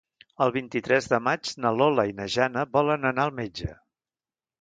El vint-i-tres de maig na Lola i na Jana volen anar al metge.